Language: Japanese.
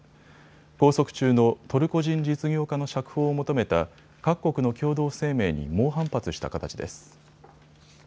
拘束中のトルコ人実業家の釈放を求めた各国の共同声明に猛反発した形です。